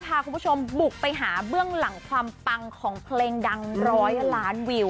พาคุณผู้ชมบุกไปหาเบื้องหลังความปังของเพลงดังร้อยล้านวิว